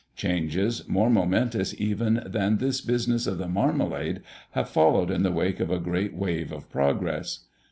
Changes, more momentous even than this business of the marmalade, have followed in the wake of a great wave of progress.